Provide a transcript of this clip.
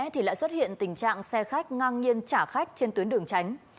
thì lại xuất hiện tình trạng xe khách ngang nhiên trả khách trên tuyến đường tránh